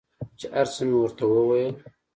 چې هر څه مې ورته وويل.